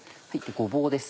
ごぼうです。